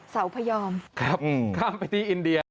เสาพยอมข้ามไปที่อินเดีย